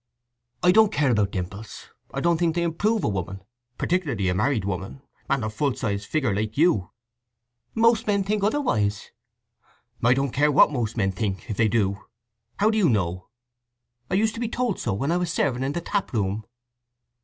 "I don't care about dimples. I don't think they improve a woman—particularly a married woman, and of full sized figure like you." "Most men think otherwise." "I don't care what most men think, if they do. How do you know?" "I used to be told so when I was serving in the tap room."